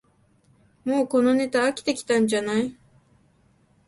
もうこのネタ飽きてきたんじゃない